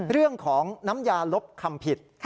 เรื่องของน้ำยาลบคำผิด